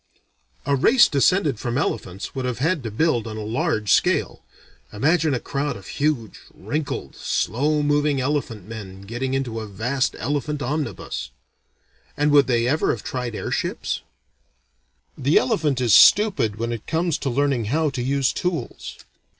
A race descended from elephants would have had to build on a large scale. Imagine a crowd of huge, wrinkled, slow moving elephant men getting into a vast elephant omnibus. And would they have ever tried airships? The elephant is stupid when it comes to learning how to use tools.